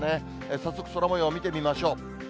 早速、空もよう見てみましょう。